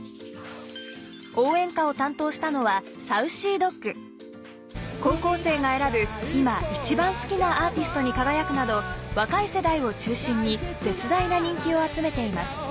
応援歌を担当したのは「高校生が選ぶ今一番好きなアーティスト」に輝くなど若い世代を中心に絶大な人気を集めています